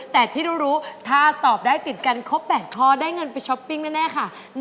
แต่ที่รู้ถ้าตอบได้ติดกันครบ๘ข้อได้เงินไปช้อปปิ้งแน่ค่ะ